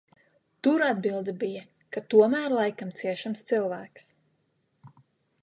Tur atbilde bija, ka tomēr laikam ciešams cilvēks.